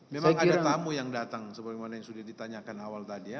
memang ada tamu yang datang sebagaimana yang sudah ditanyakan awal tadi ya